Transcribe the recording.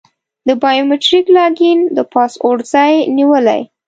د بایو میتریک لاګین د پاسورډ ځای نیولی.